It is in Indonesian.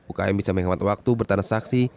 ukm bisa menghemat waktu bertanah saksi